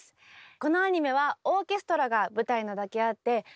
このアニメはオーケストラが舞台なだけあってどうぞ！